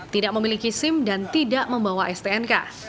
tidak memiliki sim dan tidak membawa stnk